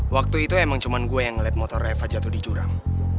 waktu itu emang cuma gue yang ngeliat motor eva jatuh di jurang